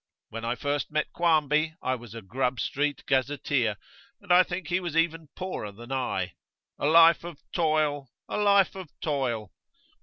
When I first met Quarmby I was a Grub Street gazetteer, and I think he was even poorer than I. A life of toil! A life of toil!